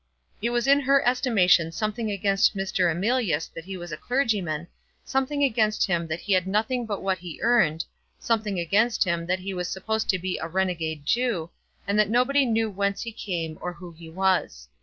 It was in her estimation something against Mr. Emilius that he was a clergyman, something against him that he had nothing but what he earned, something against him that he was supposed to be a renegade Jew, and that nobody knew whence he came nor who he was.